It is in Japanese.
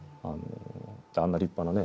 あんな立派なね